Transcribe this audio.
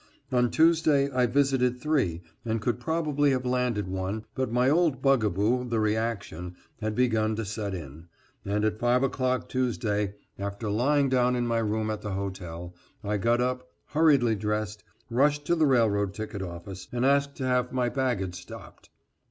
On Tuesday I visited three, and could probably have landed one, but my old bugaboo, the reaction, had begun to set in, and at 5 o'clock Tuesday, after lying down in my room at the hotel I got up, hurriedly dressed, rushed to the railroad ticket office, and asked to have my baggage stopped.